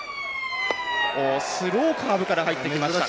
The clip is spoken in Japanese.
スローカーブから入ってきました。